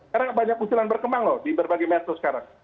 karena banyak usulan berkembang loh di berbagai metode sekarang